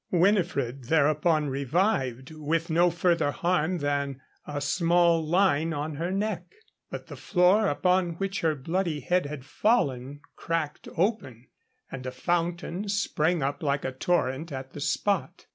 Winifred thereupon revived, with no further harm than a small line on her neck. But the floor upon which her bloody head had fallen, cracked open, and a fountain sprang up like a torrent at the spot.